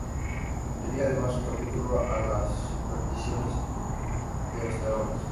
Dedica además un capítulo a las supersticiones de los peruanos.